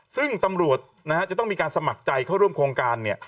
ซึ่งตำรวจจะต้องมีการสมัครใจเข้าร่วมโครงการเนี่ย